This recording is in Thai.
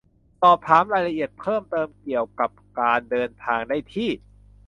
สอบถามรายละเอียดเพิ่มเติมเกี่ยวกับการเดินทางได้ที่